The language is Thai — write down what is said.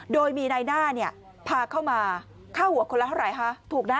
โดยมีนายหน้าพาเข้ามาเข้าหัวคนละเท่าไหร่ฮะถูกนะ